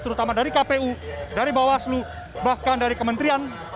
terutama dari kpu dari bawaslu bahkan dari kementerian